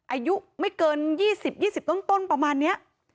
อายุไม่เกิน๒๐๒๐ต้นประมาณนี้